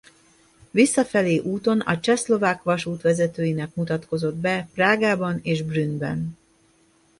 Visszafelé úton a csehszlovák vasút vezetőinek mutatkozott be Prágában és Brünnben.